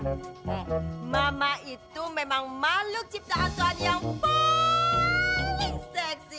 eh mama itu memang maluk ciptaan suami yang paling seksi